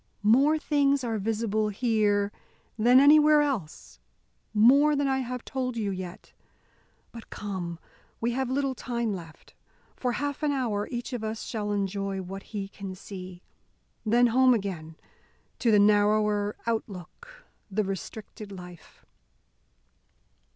More things are visible here than anywhere else more than I have told you yet. But come, we have little time left. For half an hour, each of us shall enjoy what he can see. Then home again to the narrower outlook, the restricted life."